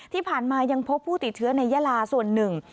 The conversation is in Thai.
ที่ผ่านมายังพบผู้ติดเชื้อในยาลาส่วนหนึ่ง